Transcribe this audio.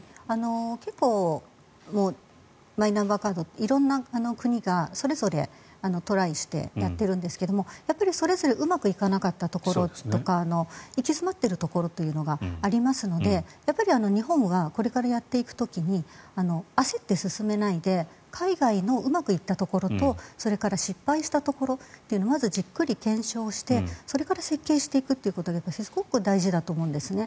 結構、マイナンバーカード色んな国がそれぞれトライしてやっているんですがやっぱり、それぞれうまくいかなかったところとか行き詰まっているところというのがありますので日本がこれからやっていく時に焦って進めないで海外のうまくいったところとそれから失敗したところというのをまずじっくり検証してそれから設計していくことがすごく大事だと思うんですね。